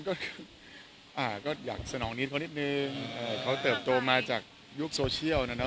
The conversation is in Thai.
ก็อ่าก็อยากสนองนิดเขานิดหนึ่งอ่าเขาเติบโตมาจากยุคโซเชียลน่ะน่ะ